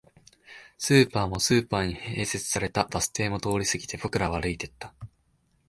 スーパーも、スーパーに併設されたバス停も通り過ぎて、僕らは歩いていった